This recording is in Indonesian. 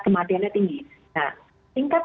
kematiannya tinggi nah tingkat